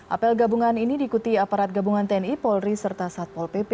apel gabungan ini diikuti aparat gabungan tni polri serta satpol pp